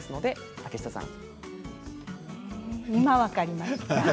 今分かりました。